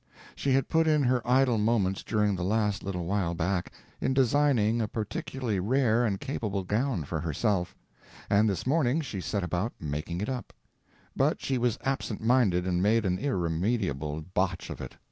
She had put in her idle moments during the last little while back, in designing a particularly rare and capable gown for herself, and this morning she set about making it up; but she was absent minded, and made an irremediable botch of it.